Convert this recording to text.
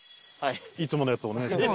いつものやつお願いします。